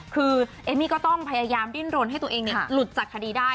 คือเอมมี่ก็ต้องพยายามดิ้นรนให้ตัวเองหลุดจากคดีได้